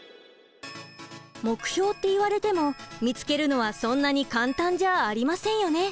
目標って言われても見つけるのはそんなに簡単じゃありませんよね？